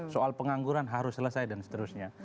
soal pengangguran harus selesai dan seterusnya